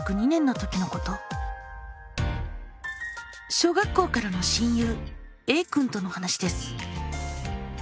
小学校からの親友Ａくんとの話です。